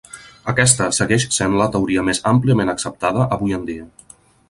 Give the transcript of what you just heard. Aquesta segueix sent la teoria més àmpliament acceptada avui en dia.